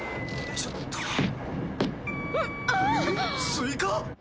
スイカ！？